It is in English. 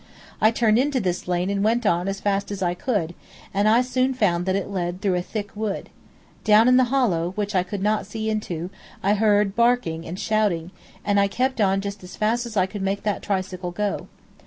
I turned into this lane and went on as fast as I could, and I soon found that it led through a thick wood. Down in the hollow, which I could not see into, I heard a barking and shouting, and I kept on just as fast as I could make that tricycle go.